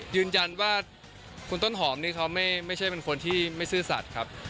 ยืนยันว่าคุณต้นหอมนี่เขาไม่ใช่เป็นคนที่ไม่ซื่อสัตว์ครับ